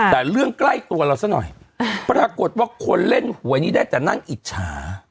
แต่เรื่องใกล้ตัวเราซะหน่อยปรากฏว่าคนเล่นหวยนี้ได้แต่นั่งอิจฉา